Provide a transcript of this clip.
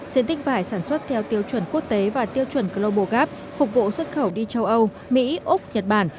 diện tích vải sản xuất theo tiêu chuẩn quốc tế và tiêu chuẩn global gap phục vụ xuất khẩu đi châu âu mỹ úc nhật bản